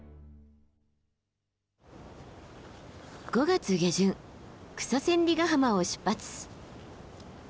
５月下旬草千里ヶ浜を出発。